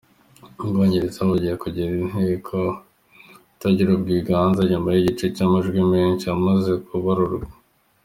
Ubwongereza bugiye kugira inteko itagira ubwiganze nyuma y'igice cy'amajwi menshi amaze kubarurwa.